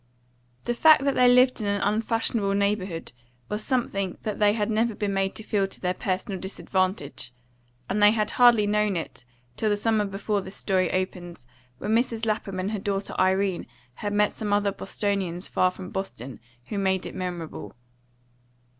The fact that they lived in an unfashionable neighbourhood was something that they had never been made to feel to their personal disadvantage, and they had hardly known it till the summer before this story opens, when Mrs. Lapham and her daughter Irene had met some other Bostonians far from Boston, who made it memorable.